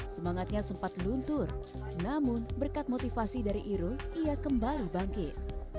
semangatnya sempat luntur namun berkat motivasi dari irung ia kembali bangkit